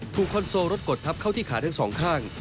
คอนโซลรถกดทับเข้าที่ขาทั้งสองข้าง